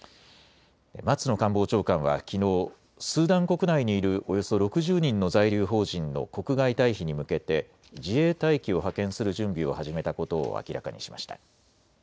松野官房長官はきのうスーダン国内にいるおよそ６０人の在留邦人の国外退避に向けて自衛隊機を派遣する準備を始めたことを明らかにしました。